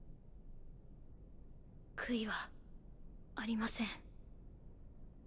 悔いはありません。